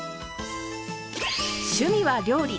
趣味は料理。